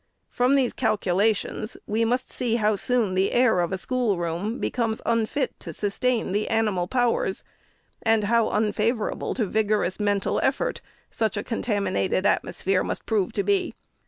From these calculations, we must see how soon the air of a school 566 APPENDIX. room becomes unfit to sustain the animal powers, and how unfavorable to vigorous mental effort such a contaminated atmosphere must prove to be.